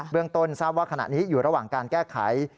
เรื่องต้นทราบว่าขณะนี้อยู่ระหว่างการแก้ไข